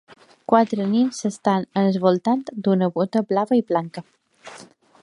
Quatre nens s'estan al voltant d'una bóta blava i blanca.